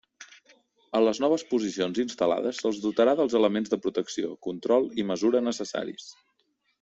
A les noves posicions instal·lades se'ls dotarà dels elements de protecció, control i mesura necessaris.